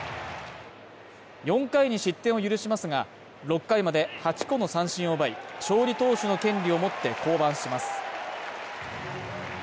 ４回に失点を許しますが、６回まで８個の三振を奪い、勝利投手の権利を持って降板します。